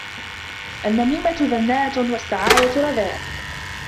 النَّمِيمَةُ دَنَاءَةٌ وَالسِّعَايَةُ رَدَاءَةٌ